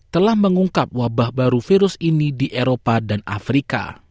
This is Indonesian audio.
telah mengungkap wabah baru virus ini di eropa dan afrika